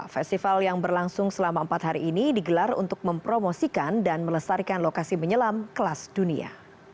festival yang berlangsung selama empat hari ini digelar untuk mempromosikan dan melestarikan lokasi menyelam kelas dunia